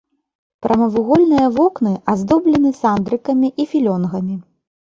Прамавугольныя вокны аздоблены сандрыкамі і філёнгамі.